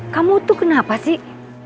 kamu tuh kenapa sih